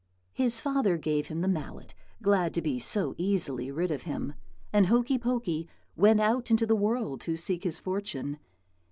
"His father gave him the mallet, glad to be so easily rid of him, and Hokey Pokey went out into the world to seek his fortune.